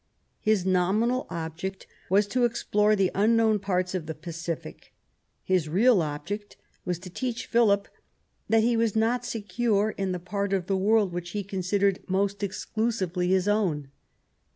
His nominal object was to explore the unknown parts of the Pacific ; his real object was to teach Philip that he was not secure in the part of the world which he considered most exclusively his own.